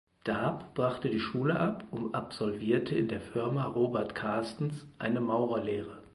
Daab brach die Schule ab und absolvierte in der Firma Robert Karstens eine Maurerlehre.